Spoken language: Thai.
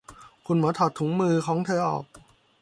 คุณหมอถอดถุงมือของเธอออก